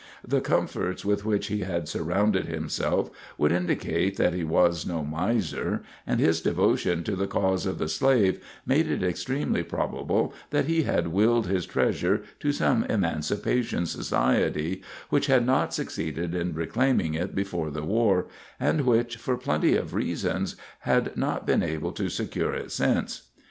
The comforts with which he had surrounded himself would indicate that he was no miser, and his devotion to the cause of the slave made it extremely probable that he had willed his treasure to some emancipation society, which had not succeeded in reclaiming it before the war, and which, for plenty of reasons, had not been able to secure it since.